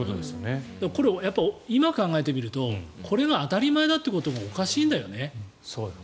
これ、今考えてみるとこれが当たり前だということがおかしいんだよね。